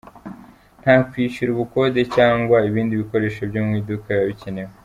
Nta kwishyura ubukode cyangwa ibindi bikoresho byo mw'iduka biba bikenewe.